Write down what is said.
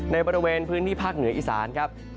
ในบริเวณพื้นที่ภาคเหนืออีสานครับ